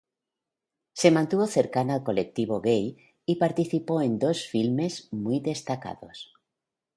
Se mantuvo cercana al colectivo gay, y participó en dos filmes muy destacados.